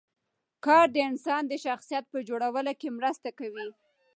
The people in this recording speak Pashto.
کار د انسان د شخصیت په جوړولو کې مرسته کوي